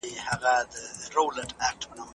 چي هر څوک مي کړي مېلمه ورته تیار یم